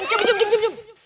cukup cukup cukup